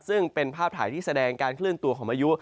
ซึ่งเป็นภาพถ่ายที่แสดงการเคลื่อนตัวของพายุ